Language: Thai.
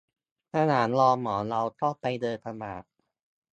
ระหว่างรอหมอ เราก็ไปเดินตลาด